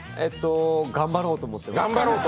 頑張ろうと思います。